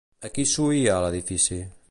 A qui s'oïa a l'edifici?